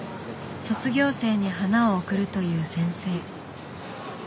卒業生に花を贈るという先生。